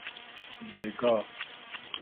بېگا